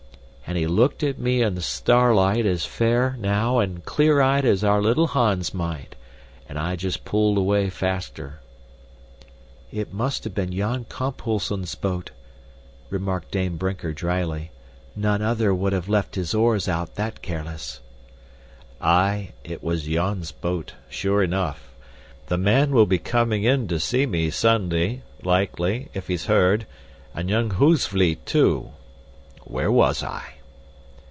And he looked at me in the starlight as fair, now, and clear eyed as our little Hans might and I just pulled away faster." "It must have been Jan Kamphuisen's boat," remarked Dame Brinker dryly. "None other would have left his oars out that careless." "Aye, it was Jan's boat, sure enough. The man will be coming in to see me Sunday, likely, if he's heard, and young Hoogsvliet too. Where was I?"